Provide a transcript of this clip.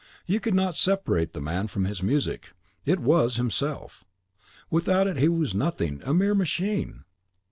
You could not separate the man from his music; it was himself. Without it he was nothing, a mere machine!